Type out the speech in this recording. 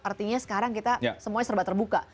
artinya sekarang kita semuanya serba terbuka